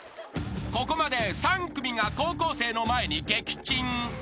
［ここまで３組が高校生の前に撃沈］